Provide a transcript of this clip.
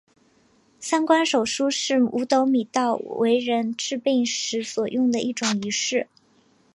三官手书是五斗米道为人治病时所用的一种仪式。